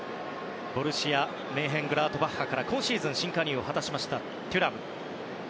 ボルシア・メンヘングラートバッハから今シーズン、新加入を果たしました、テュラム。